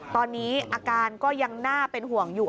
ตอนนี้อาการก็ยังน่าเป็นห่วงอยู่